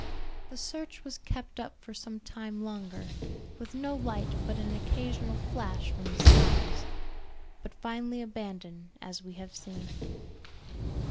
The search was kept up for some time longer, with no light but an occasional flash from the skies; but finally abandoned, as we have seen.